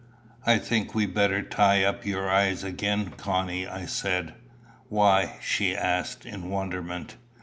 "I think we had better tie up your eyes again, Connie?" I said. "Why?" she asked, in wonderment.